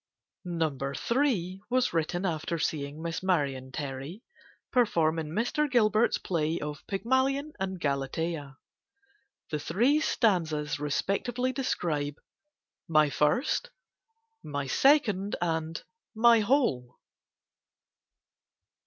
No. III. was written after seeing Miss Marion Terry perform in Mr. Gilbert's play of "Pygmalion and Galatea." The three stanzas respectively describe "My First," "My Second," and "My Whole."